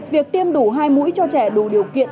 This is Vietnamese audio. việc tiêm đủ hai mũi cho trẻ đủ điều kiện